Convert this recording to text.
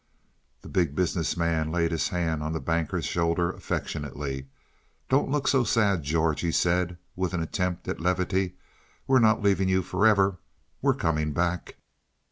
The Big Business Man laid his hand on the Banker's shoulder affectionately. "Don't look so sad, George," he said, with an attempt at levity. "We're not leaving you forever we're coming back."